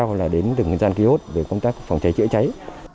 hoặc là đến từng gian kiosk về công tác phòng cháy chữa cháy